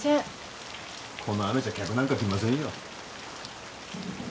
この雨じゃ客なんか来ませんよ。